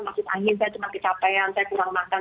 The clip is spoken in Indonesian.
masuk angin saya cuma kecapean saya kurang makan